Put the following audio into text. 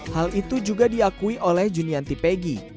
hal itu juga diakui oleh junianti pegi